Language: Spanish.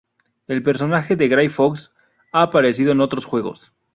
El personaje de Gray Fox ha aparecido en otros juegos.